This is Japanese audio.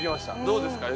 どうですか？